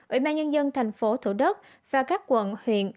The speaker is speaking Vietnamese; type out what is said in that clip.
ủy ban nhân dân tp thủ đất và các quận huyện